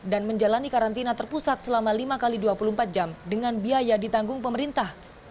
dan menjalani karantina terpusat selama lima x dua puluh empat jam dengan biaya ditanggung pemerintah